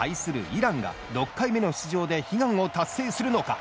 イランが６回目の出場で悲願を達成するのか。